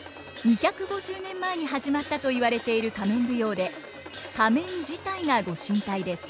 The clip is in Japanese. ２５０年前に始まったと言われている仮面舞踊で仮面自体が御神体です。